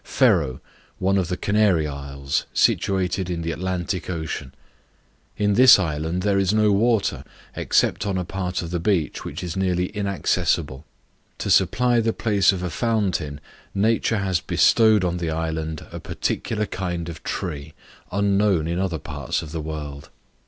Ferro, one of the Canary Isles, situated in the Atlantic Ocean. In this island there is no water, except on a part of the beach which is nearly inaccessible; to supply the place of a fountain, Nature has bestowed on the island a particular kind of tree, unknown in other parts of the world.